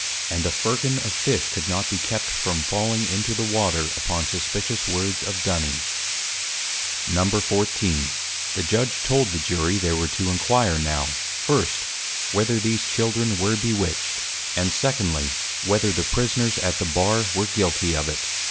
And a Firkin of Fish could not be kept from falling into the Water, upon suspicious words of Duny's. XIV. The Judg told the Jury, they were to inquire now, first, whether these Children were Bewitched; and secondly, Whether the Prisoners at the Bar were guilty of it.